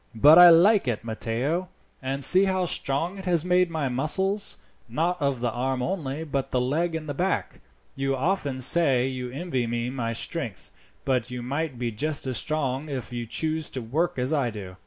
"But I like it, Matteo; and see how strong it has made my muscles, not of the arm only, but the leg and back. You often say you envy me my strength, but you might be just as strong if you chose to work as I do.